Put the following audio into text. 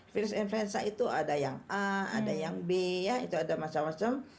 virus influenza itu ada yang a ada yang b ya itu ada macam macam